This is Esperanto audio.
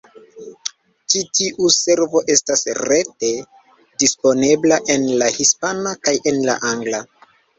Ĉi tiu servo estas rete disponebla en la hispana kaj en la angla.